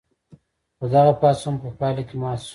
خو دغه پاڅون په پایله کې مات شو.